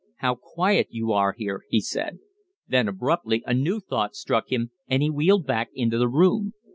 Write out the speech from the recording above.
"How quiet you are here!" he said. Then abruptly anew thought struck him and he wheeled back into the room.